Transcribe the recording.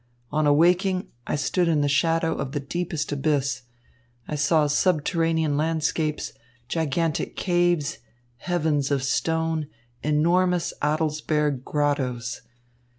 On awaking I stood in the shadow of the deepest abyss. I saw subterranean landscapes, gigantic caves, heavens of stone, enormous Adelsberg grottoes.